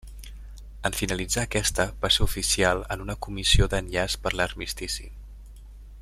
En finalitzar aquesta, va ser oficial en una comissió d'Enllaç per l'Armistici.